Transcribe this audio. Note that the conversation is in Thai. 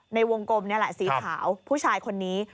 ในวงกลมนี่แหละสีขาวผู้ชายคนนี้